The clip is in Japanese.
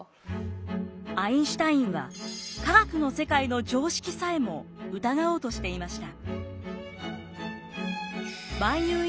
アインシュタインは科学の世界の常識さえも疑おうとしていました。